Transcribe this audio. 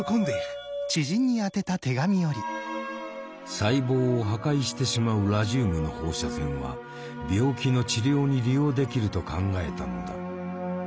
細胞を破壊してしまうラジウムの放射線は病気の治療に利用できると考えたのだ。